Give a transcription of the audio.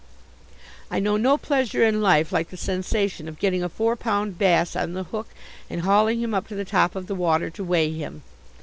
I know no pleasure in life like the sensation of getting a four pound bass on the hook and hauling him up to the top of the water, to weigh him.